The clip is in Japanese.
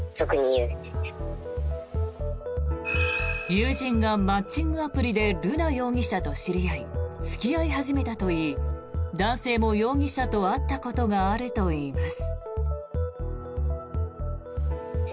友人がマッチングアプリで瑠奈容疑者と知り合い付き合い始めたといい男性も容疑者と会ったことがあるといいます。